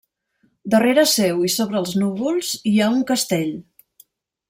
Darrere seu i sobre els núvols, hi ha un castell.